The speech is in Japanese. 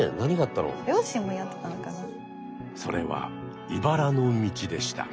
それはいばらの道でした。